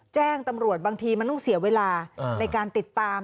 แจ้งตำรวจบางทีมันต้องเสียเวลาในการติดตาม